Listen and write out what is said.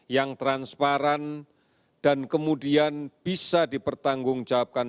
yang transparan dan kemudian bisa dipertanggungjawabkan